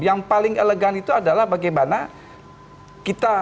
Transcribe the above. yang paling elegan itu adalah bagaimana kita